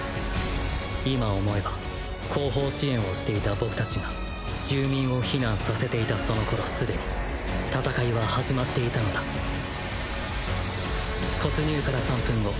今思えば後方支援をしていた僕達が住民を避難させていたその頃すでに戦いは始まっていたのだ突入から３分後